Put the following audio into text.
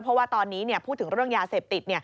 เพราะว่าตอนนี้พูดถึงเรื่องยาเสพติด